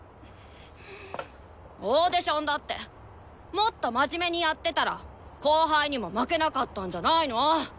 オーディションだってもっと真面目にやってたら後輩にも負けなかったんじゃないの？